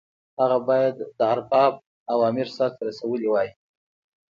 هغه باید د ارباب اوامر سرته رسولي وای.